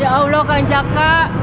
ya allah kang jaka